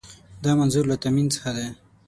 دا منظور له تامین څخه دی.